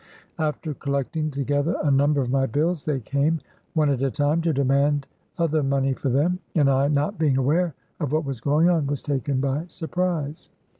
After collecting together a number of my bills, they came, one at a time, to demand other money for them : and I, not being aware of what was going on, was taken by surprise.